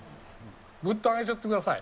ぐっと上げちゃってください。